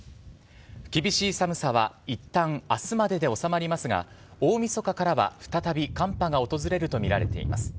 厳しい寒さはいったん、あすまでで収まりますが、大みそかからは再び寒波が訪れると見られています。